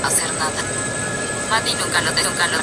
Así como su participación activa en los procesos electorales.